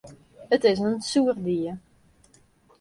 It is in grut sûchdier.